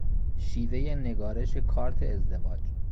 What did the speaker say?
شیوهی نگارش کارت ازدواج